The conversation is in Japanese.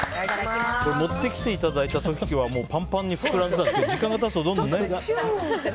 持ってきていただいた時にはパンパンに膨らんでたんですけど時間が経つと、どんどんね。